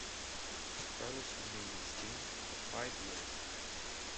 Carlos remained in Spain for five years.